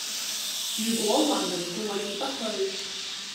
如果還能過意不去，……